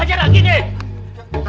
mau dihajar lagi nih